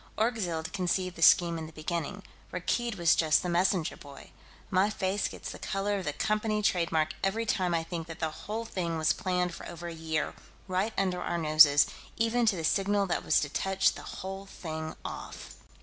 Orgzild conceived the scheme in the beginning; Rakkeed was just the messenger boy. My face gets the color of the Company trademark every time I think that the whole thing was planned for over a year, right under our noses, even to the signal that was to touch the whole thing off...."